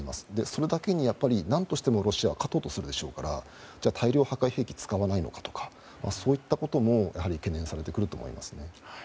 それだけに何としてもロシアは勝とうとするでしょうからじゃあ、大量破壊兵器を使わないのかとかそういったことも懸念されてくると思います。